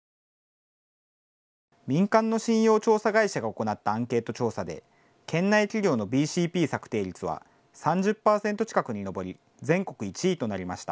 民間の信用調査会社が行ったアンケート調査で県内企業のＢＣＰ策定率は３０％近くに上り全国１位となりました。